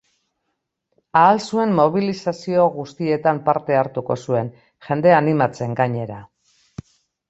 Ahal zuen mobilizazio guztietan parte hartuko zuen, jendea animatzen gainera.